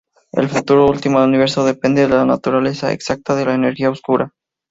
El futuro último del universo depende de la naturaleza exacta de la energía oscura.